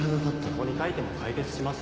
「ここに書いても解決しませんよ」